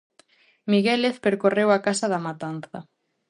Miguélez percorreu a Casa da Matanza.